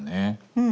うん。